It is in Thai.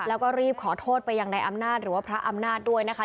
แล้วก็รีบขอโทษไปยังในอำนาจหรือว่าพระอำนาจด้วยนะคะ